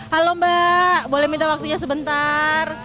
halo mbak boleh minta waktunya sebentar